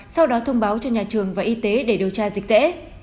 sau đó thông báo cho nhà trường và y tế để điều tra dịch tễ